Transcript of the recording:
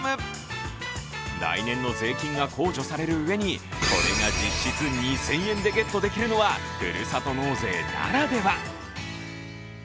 来年の税金が控除されるうえにこれが実質２０００円でゲットできるのは、ふるさと納税ならでは。